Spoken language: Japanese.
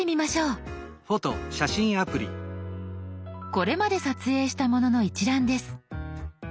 これまで撮影したものの一覧です。